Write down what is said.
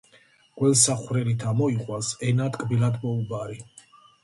გველსა ხვრელით ამოიყვანს ენა ტკბილად მოუბარი .